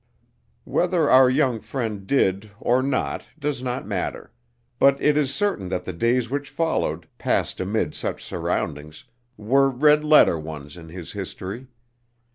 Whether our young friend did or not does not matter; but it is certain that the days which followed, passed amid such surroundings, were red letter ones in his history.